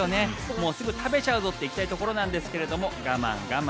もうすぐ食べちゃうぞって行きたいところなんですけど我慢我慢。